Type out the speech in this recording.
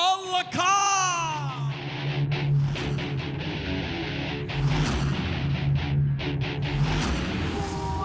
อันนี้คือคู่รองของรายการครับหน้าจับตาอย่างยิ่งเพราะว่าเป็นมวยดังครับ